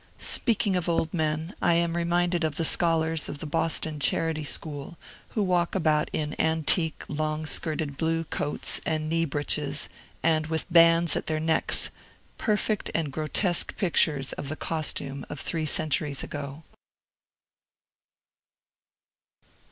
Speaking of old men, I am reminded of the scholars of the Boston Charity School, who walk about in antique, long skirted blue coats, and knee breeches, and with bands at their necks, perfect and grotesque pictures of the costume of three centuries ago.